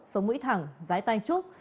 sống mũi thẳng dái tay trúc